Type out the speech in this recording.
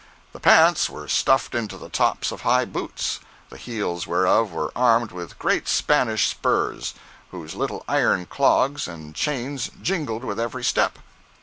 The pants were stuffed into the tops of high boots, the heels whereof were armed with great Spanish spurs, whose little iron clogs and chains jingled with every step.